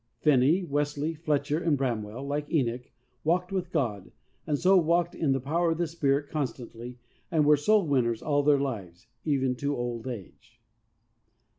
Finney, Wesley, Fletcher and Bramwell, like Enoch, walked with God, and so walked "in the power of the Spirit" constantly, and were soul winners all their lives, even to old age.